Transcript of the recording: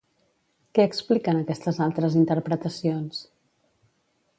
Què expliquen aquestes altres interpretacions?